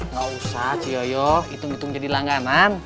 gak usah cie itung itung jadi langganan